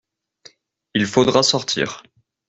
Il faudra sortir.